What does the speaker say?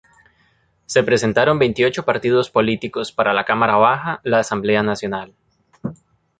Se presentaron veintiocho partidos políticos para la cámara baja, la Asamblea Nacional.